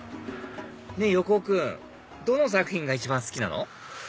ねぇ横尾君どの作品が一番好きなの？